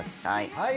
はい。